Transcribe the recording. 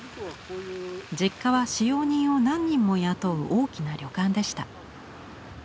実家は使用人を何人も雇う大きな旅館でした。